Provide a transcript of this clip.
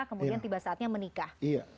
kemudian tiba saatnya menikah